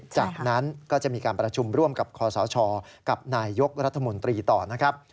จากนั้นก็จะมีการประชุมร่วมกับคอสชกับนายยกรัฐมนตรีต่อนะครับ